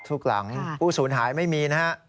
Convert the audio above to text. ทุกหลังผู้สูญหายไม่มีนะฮะ